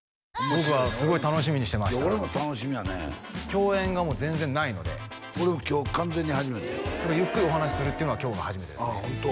僕はすごい楽しみにしてましたいや俺も楽しみやね共演がもう全然ないので俺も今日完全に初めてやゆっくりお話しするっていうのは今日が初めてですねああホント？